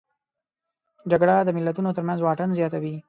جګړه د ملتونو ترمنځ واټن زیاتوي